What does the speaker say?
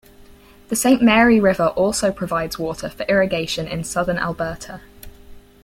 The Saint Mary River also provides water for irrigation in Southern Alberta.